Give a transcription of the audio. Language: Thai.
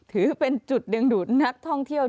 ถือเป็นจุดดึงดูดนักท่องเที่ยว